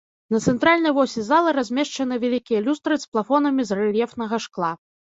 На цэнтральнай восі залы размешчаны вялікія люстры з плафонамі з рэльефнага шкла.